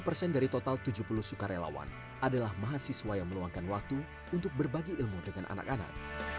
delapan puluh persen dari total tujuh puluh sukarelawan adalah mahasiswa yang meluangkan waktu untuk berbagi ilmu dengan anak anak